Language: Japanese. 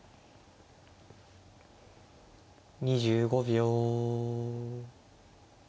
２５秒。